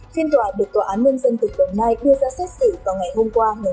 phiên tòa được tòa án nguyên dân tỉnh đồng nai đưa ra xét xử vào ngày hôm qua một mươi hai tháng bốn